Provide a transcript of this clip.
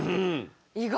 意外！